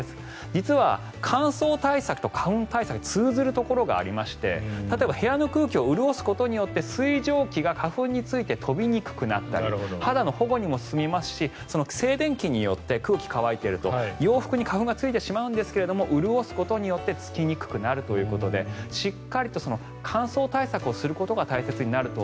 実は乾燥対策と花粉対策は通ずるところがありまして例えば部屋の空気を潤すことによって水蒸気に花粉がついて飛びにくくなったり肌の保護にもなりますし静電気によって花粉がついていると潤すことによってつきにくくなるとしっかりと乾燥対策をすることが必要になってくると。